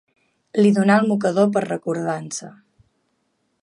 Li donà el mocador per recordança.